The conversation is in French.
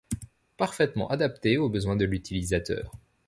Parfaitement adaptée aux besoins de l’utilisateur.